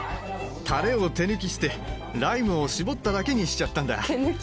タレを手抜きしてライムを搾っただけにしちゃったんだ。